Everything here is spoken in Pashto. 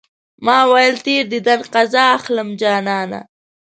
ما ويل تېر ديدن قضا اخلم جانانه